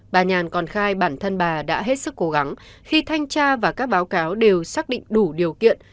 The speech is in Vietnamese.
bà nhàn còn khai bản thân bà đã hết sức cố gắng khi thanh tra và các báo cáo đều xác định đủ điều kiện